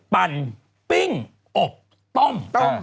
ปั่นปิ้งอบต้ม